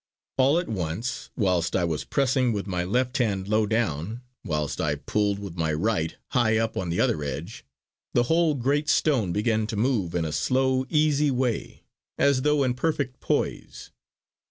All at once, whilst I was pressing with my left hand low down whilst I pulled with my right high up on the other edge, the whole great stone began to move in a slow easy way, as though in perfect poise.